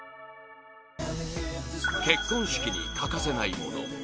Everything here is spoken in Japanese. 結婚式に欠かせないもの